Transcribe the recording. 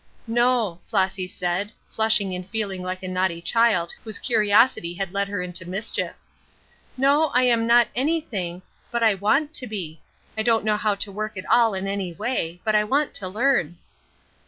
"No," Flossy said, flushing and feeling like a naughty child whose curiosity had led her into mischief. "No, I am not anything, but I want to be; I don't know how to work at all in any way, but I want to learn."